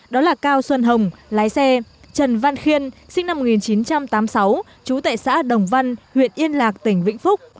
đó là cao xuân hồng lái xe trần văn khiên sinh năm một nghìn chín trăm tám mươi sáu trú tại xã đồng văn huyện yên lạc tỉnh vĩnh phúc